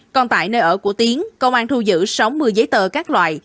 còn tại nơi ở của tiến công an thu giữ sáu mươi giấy tờ các loại